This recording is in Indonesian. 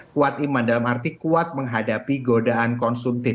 kuat iman dalam arti kuat menghadapi godaan konsumtif